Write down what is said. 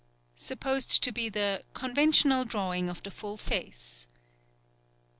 _ Supposed to be the "conventional drawing of the full face."